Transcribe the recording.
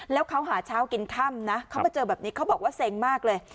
แล้วเขาหาเช้ากินค่ำนะเขามาเจอแบบนี้เขาบอกว่าเซ็งมากเลย